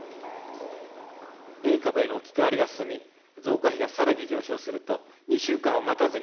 変異株への置き換わりが進み、増加比がさらに上昇すると、２週間を待たずに、